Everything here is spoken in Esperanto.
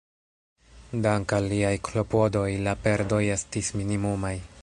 Dank'al liaj klopodoj, la perdoj estis minimumaj.